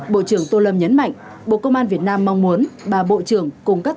bộ trưởng tô lâm nhấn mạnh bộ công an việt nam mong muốn